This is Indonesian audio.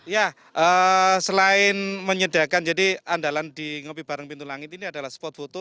ya selain menyediakan jadi andalan di ngopi bareng pintu langit ini adalah spot foto